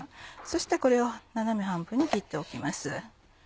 そしてこれを斜め半分に切っておきます。